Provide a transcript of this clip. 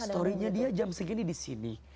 storynya dia jam segini disini